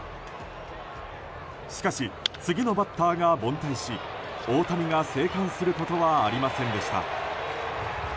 しかし次のバッターが凡退し大谷が生還することはありませんでした。